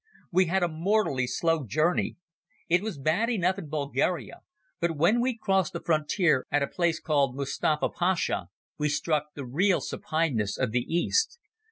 We had a mortally slow journey. It was bad enough in Bulgaria, but when we crossed the frontier at a place called Mustafa Pasha we struck the real supineness of the East.